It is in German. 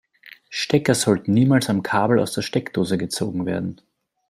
Stecker sollten niemals am Kabel aus der Steckdose gezogen werden.